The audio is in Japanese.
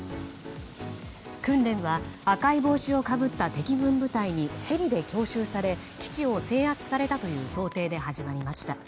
訓練は赤い帽子をかぶった敵軍部隊にヘリで強襲され基地を制圧されたという想定で始まりました。